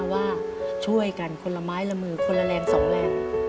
ว่าช่วยกันคนละไม้ละมือคนละแรงสองแรง